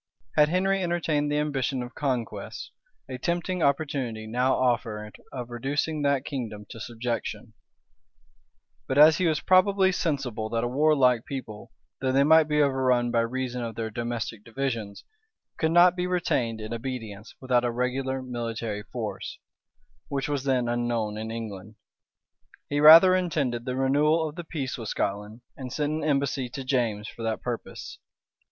Had Henry entertained the ambition of conquests, a tempting opportunity now offered of reducing that kingdom to subjection; but as he was probably sensible that a warlike people, though they might be overrun by reason of their domestic divisions, could not be retained in obedience without a regular military force, which was then unknown in England, he rather intended the renewal of the peace with Scotland, and sent an embassy to James for that purpose.